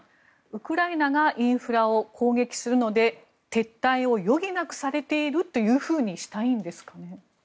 ウクライナがインフラを攻撃するので撤退を余儀なくされているというふうにしたいんですかね。